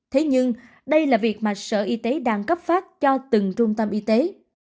thế nhưng đây là việc mà sở y tế đang cấp phát cho từng trung tâm y tế